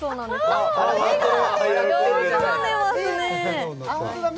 あ、喜んでますね。